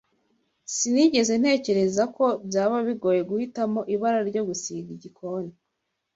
Sinigeze ntekereza ko byaba bigoye guhitamo ibara ryo gusiga igikoni.